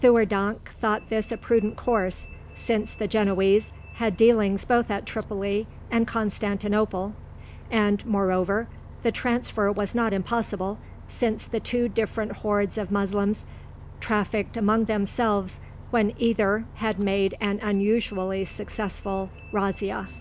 Theurdank thought this a prudent course, since the Genoese had dealings both at Tripoli and Constantinople; and, moreover, the transfer was not impossible, since the two different hordes of Moslems trafficked among themselves when either had made an unusually successful razzia.